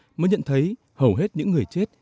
chúng ta mới nhận thấy hầu hết những người chết